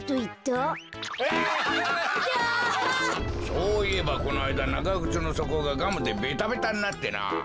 そういえばこのあいだながぐつのそこがガムでベタベタになってなあ。